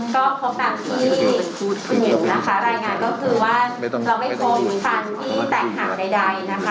ก็พบกันที่คือว่าเราไม่พบฟันที่แตกห่างใดใดนะคะ